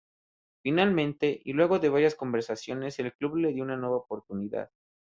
Finalmente, y luego de varias conversaciones el club le dio una nueva oportunidad.